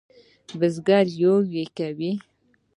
بزگر یویې کوي.